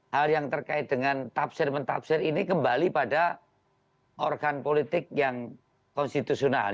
hal yang terkait dengan tafsir mentafsir ini kembali pada organ politik yang konstitusional